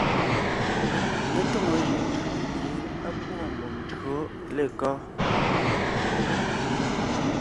Mé tóŋo jʉʼʉ tÿǒ gie á pwóon mbùm tÿǒ lekɔ́?